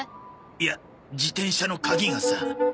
いや自転車の鍵がさ。